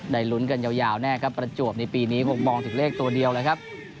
ลุ้นกันยาวแน่ครับประจวบในปีนี้คงมองถึงเลขตัวเดียวเลยครับ